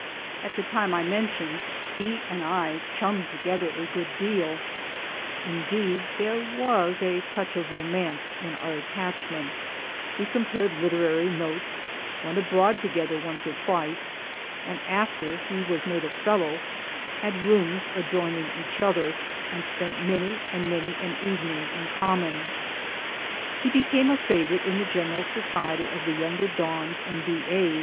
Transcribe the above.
At the time I mention he and I chummed together a good deal indeed there was a touch of romance in our attachment we compared literary notes, went abroad together once or twice, and after he was made a Fellow, had rooms adjoining each other, and spent many and many an evening in common. He became a favorite in the general society of the younger dons and B.A.'